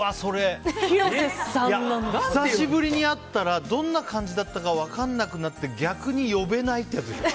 久しぶりに会ったらどんな感じだったか分からなくなって逆に呼べないってやつでしょ？